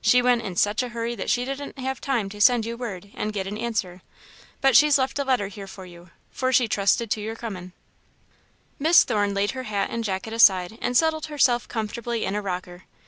She went in sech a hurry that she didn't have time to send you word and get an answer, but she's left a letter here for you, for she trusted to your comin'." Miss Thorne laid her hat and jacket aside and settled herself comfortably in a rocker.